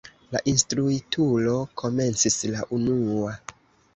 La instruitulo komencis la unua.